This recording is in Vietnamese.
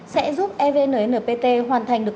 sẽ giúp evnnpt hoàn thành được